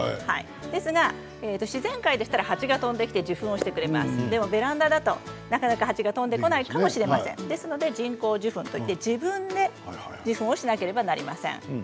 ですが自然界で蜂が飛んで来て受粉をしてくれます、ベランダだと蜂が飛んでこないかもしれませんなので、人工授粉といって自分で受粉をしなければいけません。